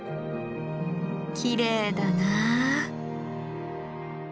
きれいだなあ。